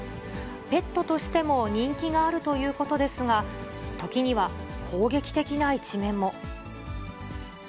ペットとしても人気があるということですが、時には攻撃的な一面も。